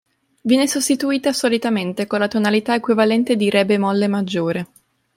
Viene sostituita solitamente con la tonalità equivalente di Re bemolle maggiore.